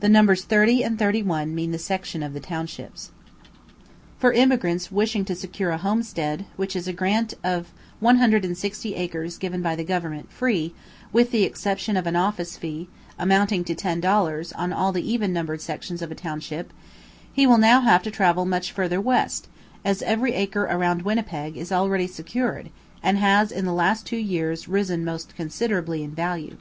The Nos. 30 and 31 mean the sections of the townships. For emigrants wishing to secure a "homestead," which is a grant of 160 acres given by Government free, with the exception of an office fee, amounting to ten dollars on all the even numbered sections of a town ship, he will now have to travel much further west, as every acre around Winnipeg is already secured, and has in the last two years risen most considerably in value.